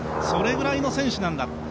それぐらいの選手なんだ。